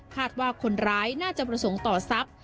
คาดว่าคนร้ายน่าจะประสงค์ต่อทรัพย์